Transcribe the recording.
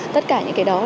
tất cả những cái đó